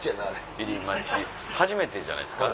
初めてじゃないですか？